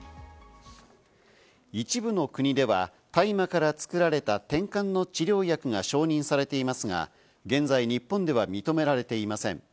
一部の国では大麻から作られた、てんかんの治療薬が承認されていますが、現在、日本では認められていません。